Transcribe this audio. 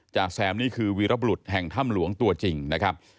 จแซมนี่คือวีรบรุษแห่งถ้ำหลวงตัวจริงนะครับ